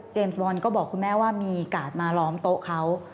บอลก็บอกคุณแม่ว่ามีกาดมาล้อมโต๊ะเขา